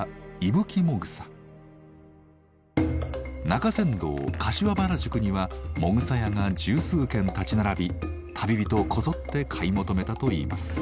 中山道柏原宿にはもぐさ屋が十数軒立ち並び旅人こぞって買い求めたといいます。